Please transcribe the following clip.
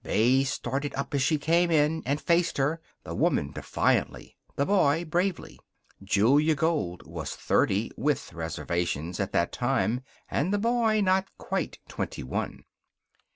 They started up as she came in and faced her, the woman defiantly, the boy bravely. Julia Gold was thirty (with reservations) at that time, and the boy not quite twenty one.